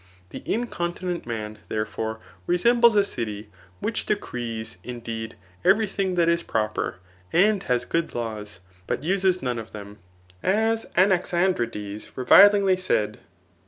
The incontinent man, therefore, resembles a city, which decrees, indeed, every thing that is proper, and has good laws, but uses none of them, as Anaxandrides revilingly said.